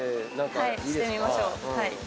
してみましょう。